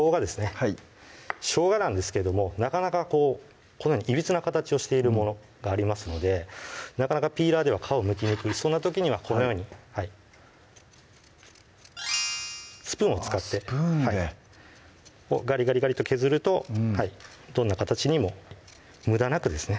はいしょうがなんですけどもなかなかこうこのようにいびつな形をしているものがありますのでなかなかピーラーでは皮をむきにくいそんな時にはこのようにスプーンを使ってスプーンでガリガリガリと削るとどんな形にもむだなくですね